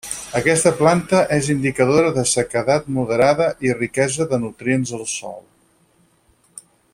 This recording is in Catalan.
Aquesta planta és indicadora de sequedat moderada i riquesa de nutrients al sòl.